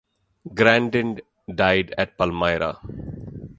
Grandin died at Palmyra.